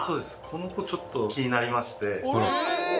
この子ちょっと気になりまして」